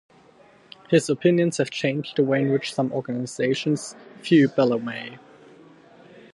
His opinions have changed the way in which some organisations view Bellamy.